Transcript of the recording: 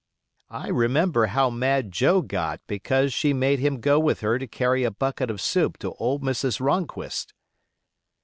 I remember how mad Joe got because she made him go with her to carry a bucket of soup to old Mrs. Ronquist.